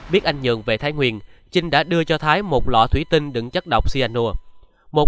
biết anh nhường về thái nguyên trinh đã đưa cho thái một lọ thủy tinh đứng chất độc cyanure